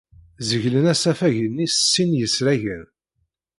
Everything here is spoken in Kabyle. Zeglen asafag-nni s sin n yisragen.